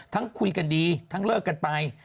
คุยกันดีทั้งเลิกกันไป